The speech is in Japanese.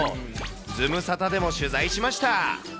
ズムサタでも取材しました。